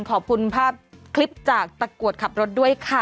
ขอบคุณภาพคลิปจากตะกรวดขับรถด้วยค่ะ